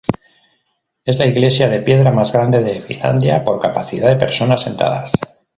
Es la iglesia de piedra más grande de Finlandia por capacidad de personas sentadas.